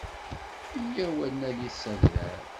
Yya-w ad nalit s adrar!